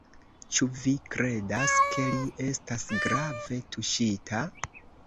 Ĉu vi kredas, ke li estas grave tuŝita?